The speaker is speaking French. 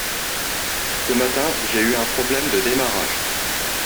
Ce matin, j’ai eu un problème de démarrage.